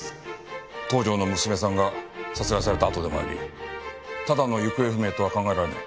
東条の娘さんが殺害されたあとでもありただの行方不明とは考えられない。